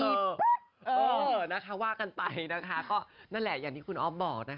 เออนะคะว่ากันไปนะคะก็นั่นแหละอย่างที่คุณอ๊อฟบอกนะคะ